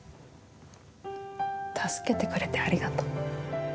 助けてくれてありがとう。